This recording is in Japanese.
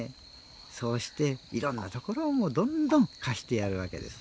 そうしていろんなところをどんどん貸してやるわけです。